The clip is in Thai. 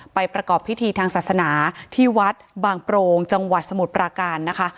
ประกอบพิธีทางศาสนาที่วัดบางโปรงจังหวัดสมุทรปราการนะคะ